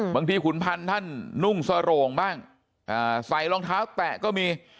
ขุนพันธ์ท่านนุ่งสโรงบ้างใส่รองเท้าแตะก็มี